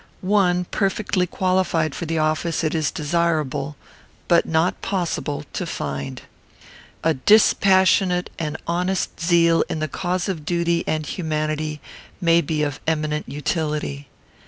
One perfectly qualified for the office it is desirable, but not possible, to find. A dispassionate and honest zeal in the cause of duty and humanity may be of eminent utility.